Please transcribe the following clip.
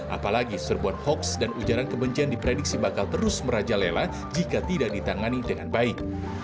apalagi serbuan hoaks dan ujaran kebencian diprediksi bakal terus merajalela jika tidak ditangani dengan baik